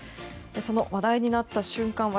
その話題になった瞬間